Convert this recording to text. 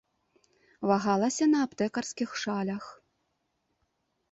Вагалася на аптэкарскіх шалях.